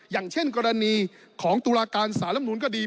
อย่างเช่นกรณีของตุลาการสารลำนูนก็ดี